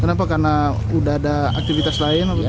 kenapa karena udah ada aktivitas lain apa gimana